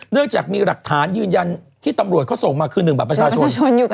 เรื่องจากมีหลักฐานยืนยันที่ตำรวจเขาส่งมาคือ๑บัตรประชาชน